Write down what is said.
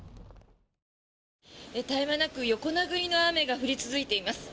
絶え間なく横殴りの雨が降り続いています。